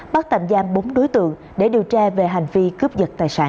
bắt tạm giam bốn đối tượng để điều tra về hành vi cướp giật tài sản